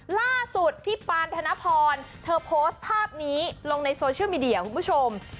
ล่าสุดพี่ปานธนพรเธอโพสต์ภาพนี้ลงในโซเชียลมีเดียคุณผู้ชม